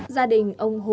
gia đình ông hùng